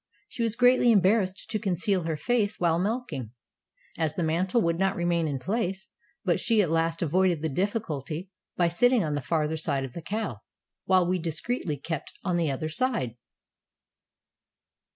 She was greatly embar rassed to conceal her face while milking, as the mantle would not remain in place; but she at last avoided the difficulty by sitting on the farther side of the cow, while we discreetly kept on the other side!